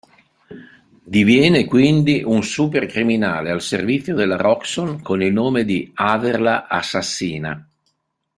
Diviene, quindi, un supercriminale al servizio della Roxxon con il nome di Averla assassina.